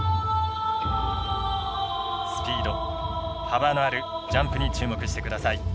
スピード幅のあるジャンプに注目してください。